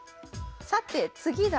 さて次だ。